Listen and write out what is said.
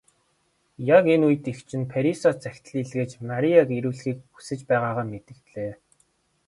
Яг энэ үед эгч нь Парисаас захидал илгээж Марияг ирүүлэхийг хүсэж байгаагаа мэдэгдлээ.